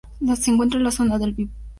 Se encuentra en la zona del piso basal.